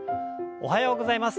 おはようございます。